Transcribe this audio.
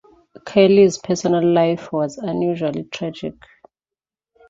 Curley's personal life was unusually tragic.